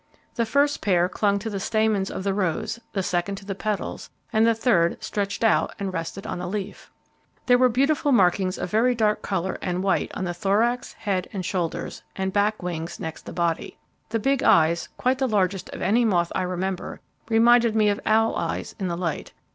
The first pair clung to the stamens of the rose, the second to the petals, and the third stretched out and rested on a leaf. There were beautiful markings of very dark colour and white on the thorax, head, shoulders, and back wings next the body. The big eyes, quite the largest of any moth I remember, reminded me of owl eyes in the light.